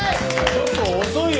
ちょっと遅いよ。